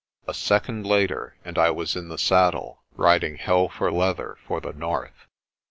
A second later and I was in the saddle, riding hell for leather for the north.